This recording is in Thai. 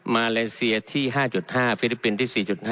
มาเลเซียที่๕๕ฟิลิปปินส์ที่๔๕